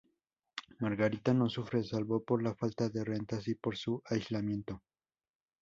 Margarita no sufre, salvo por la falta de rentas y por su aislamiento.